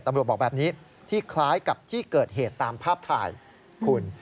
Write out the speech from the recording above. บอกแบบนี้ที่คล้ายกับที่เกิดเหตุตามภาพถ่ายคุณ